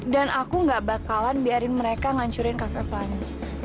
dan aku nggak bakalan biarin mereka ngancurin cafe pelangi